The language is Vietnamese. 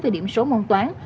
về điểm số môn toán